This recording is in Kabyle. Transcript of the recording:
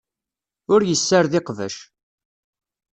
Ur yessared iqbac.